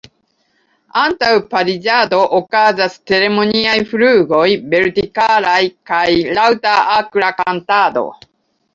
Antaŭ pariĝado okazas ceremoniaj flugoj vertikalaj kaj laŭta akra kantado.